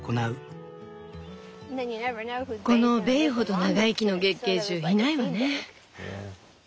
この「ベイ」ほど長生きの月桂樹いないわね。